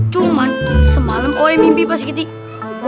cuman semalam oe mimpi bos kitih